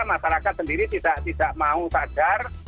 masyarakat sendiri tidak mau sadar